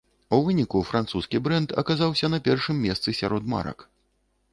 У выніку французскі брэнд аказаўся на першым месцы сярод марак.